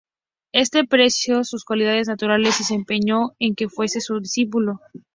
Este apreció sus cualidades naturales y se empeñó en que fuese su discípulo.